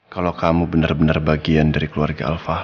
kalau kamu bener bener bagian dari keluarga alfahri